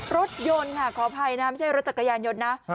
รถยนต์ค่ะขออภัยนะไม่ใช่รถจักรยานยนต์นะ